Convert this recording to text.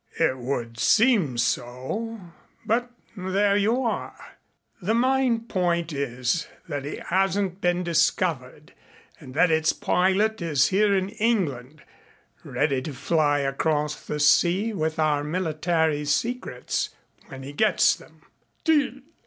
"It would seem so but there you are. The main point is that he hasn't been discovered and that its pilot is here in England ready to fly across the sea with our military secrets when he gets them."